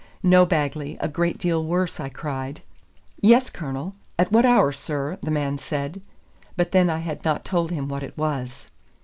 "No, Bagley; a great deal worse," I cried. "Yes, Colonel; at what hour, sir?" the man said; but then I had not told him what it was.